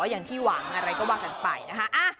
อย่างที่หวังอะไรก็ว่ากันไปนะคะ